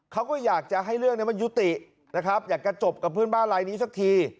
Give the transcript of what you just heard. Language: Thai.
เขาก็อยากจะให้เรื่องนี้มันยุตินะครับอยากจะจบกับเพื่อนบ้านลายนี้สักที